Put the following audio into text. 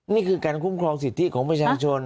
นี่คือการคุ้มครองสิทธิของประชาชน